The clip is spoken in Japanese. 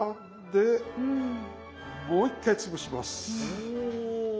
お。